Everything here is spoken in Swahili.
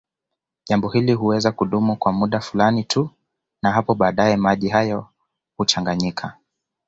Jambo hili huweza kudumu kwa muda fulani tu na hapo baadaye maji hayo huchanganyika